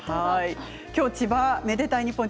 今日「愛でたいｎｉｐｐｏｎ」